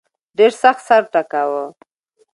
ډېر سخت سر ټکاوه.